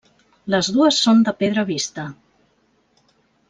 Les dues són de pedra vista.